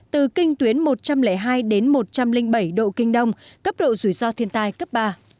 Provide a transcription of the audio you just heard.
từ kinh tuyến một trăm linh hai đến một trăm linh bảy độ kinh đông cấp độ rủi ro thiên tai cấp ba